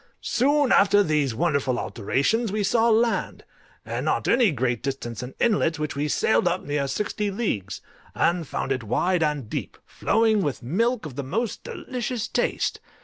Soon after these wonderful alterations we saw land, and not at any great distance an inlet, which we sailed up near sixty leagues, and found it wide and deep, flowing with milk of the most delicious taste.